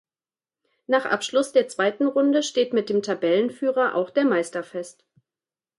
Nach Abschluss der zweiten Runde steht mit dem Tabellenführer auch der Meister fest.